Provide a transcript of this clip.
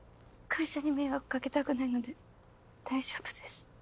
会社に迷惑かけたくないので大丈夫です。